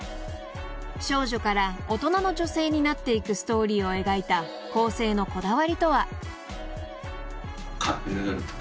［少女から大人の女性になっていくストーリーを描いた構成のこだわりとは］